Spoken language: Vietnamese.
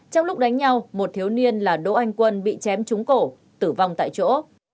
trong lúc đánh nhau một thiếu niên là đỗ anh quân bị chém trúng cổ tử vong tại chỗ